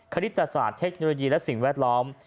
คณิตศาสตร์เทคโนโลยีและสิ่งแวดล้อม